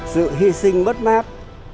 sự hy sinh mất mát